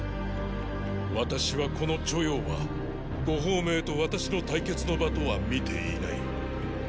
私はこの著雍は呉鳳明と私の対決の場とは見ていない。